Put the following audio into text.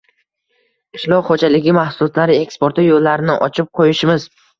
Qishloq xo‘jaligi mahsulotlari eksporti yo‘llarini ochib qo‘yishimiz